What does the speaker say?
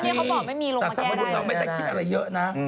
แต่ถ้าบอกว่าเราไม่ได้คิดอะไรเยอะนะ